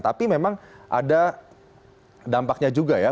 tapi memang ada dampaknya juga ya